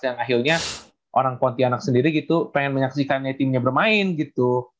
yang akhirnya orang pontianak sendiri gitu pengen menyaksikan timnya bermain gitu